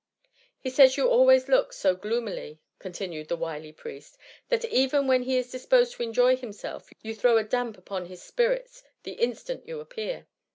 ^' He says you always look so gloomily,^' con tinued the wily priest, ^^ that even when he is disposed to enjoy himself, you throw a damp upon his spirits the instant you appear.